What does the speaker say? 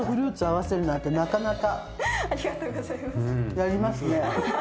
やりますね。